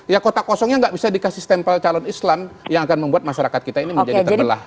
ya kota kosongnya nggak bisa dikasih stempel calon islam yang akan membuat masyarakat kita ini menjadi terbelah